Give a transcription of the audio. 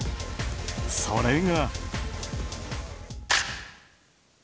それが。